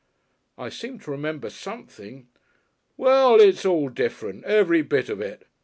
"I seem to remember something " "Well, it's all different. Every bit of it.